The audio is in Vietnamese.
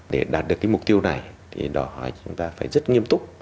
để đạt được cái mục tiêu này thì đòi hỏi chúng ta phải rất nghiêm túc